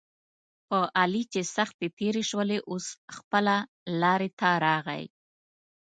په علي چې سختې تېرې شولې اوس خپله لارې ته راغی.